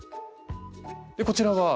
こちらは？